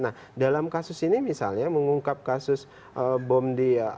nah dalam kasus ini misalnya mengungkap kasus bom di